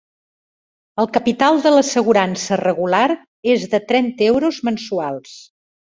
El capital de l'assegurança regular és de trenta euros mensuals.